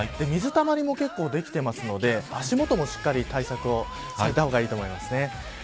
水たまりも結構できているので足元もしっかり対策された方がいいと思います。